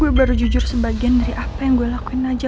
gue baru jujur sebagian dari apa yang gue lakuin aja